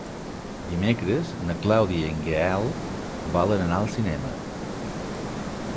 Dimecres na Clàudia i en Gaël volen anar al cinema.